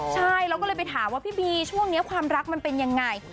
ใช่แล้วก็เลยไปถามว่าพี่บีช่วงนี้ความรักมันเป็นยังไง